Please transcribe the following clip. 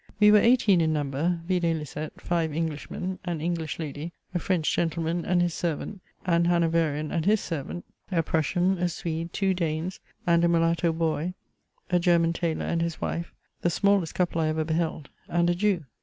We were eighteen in number, videlicet, five Englishmen, an English lady, a French gentleman and his servant, an Hanoverian and his servant, a Prussian, a Swede, two Danes, and a Mulatto boy, a German tailor and his wife, (the smallest couple I ever beheld,) and a Jew.